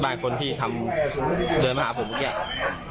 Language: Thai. บ้านคนที่เดินมาหาผมเมื่อกี้